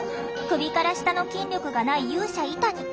首から下の筋力がない勇者イタニ。